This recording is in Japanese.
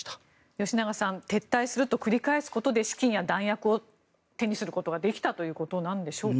吉永さん撤退すると繰り返すことで資金や弾薬を手にすることができたということなんでしょうか。